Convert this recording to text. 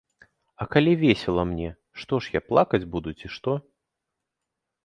А калі весела мне, што ж я, плакаць буду, ці што?